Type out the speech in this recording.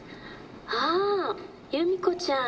「ああ由美子ちゃん」「」